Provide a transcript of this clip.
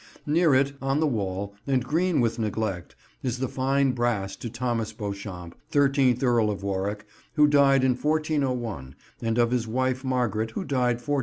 Near it, on the wall, and green with neglect, is the fine brass to Thomas Beauchamp, thirteenth Earl of Warwick, who died in 1401, and of his wife Margaret, who died 1406.